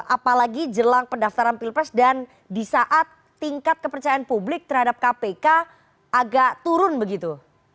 apalagi jelang pendaftaran pilpres dan di saat tingkat kepercayaan publik terhadap kpk agak turun begitu